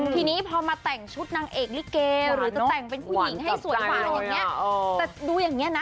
ทีนี้พอมาแต่งชุดนางเอกลิเกหรือจะแต่งเป็นผู้หญิงให้สวยกว่าอย่างนี้แต่ดูอย่างเงี้นะ